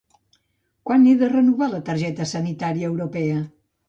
Quan he de renovar la targeta sanitària europea?